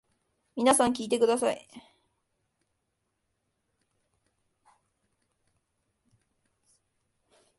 皆さん聞いてください。